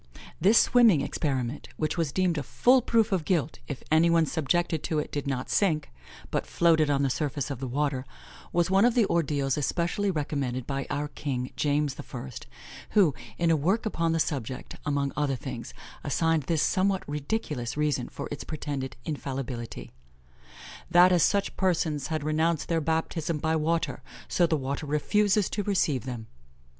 This swimming experiment, which was deemed a full proof of guilt if any one subjected to it did not sink, but floated on the surface of the water, was one of the ordeals especially recommended by our king, James I., who, in a work upon the subject, among other things, assigned this somewhat ridiculous reason for its pretended infallibility: "That as such persons had renounced their baptism by water, so the water refuses to receive them."